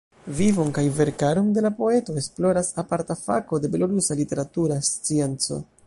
Vivon kaj verkaron de la poeto, esploras aparta fako de belorusa literatura scienco.